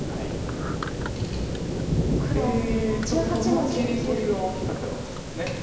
この切り取りが大きかったかもしれないです。